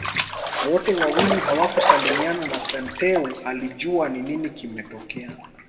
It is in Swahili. Wote wawili hawakusalimiana na Santeu alijua nini kimetokea